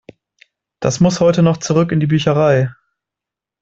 Das muss heute noch zurück in die Bücherei.